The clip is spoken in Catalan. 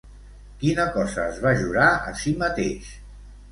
Quina cosa es va jurar a si mateix?